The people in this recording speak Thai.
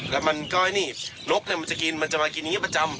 แล้วมันก็นี่นกมันจะกินมันจะมากินอย่างนี้ประจำ